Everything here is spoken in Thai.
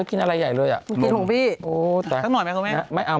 ผมกินถุงพี่ถักหน่อยไหมคุณแม่ง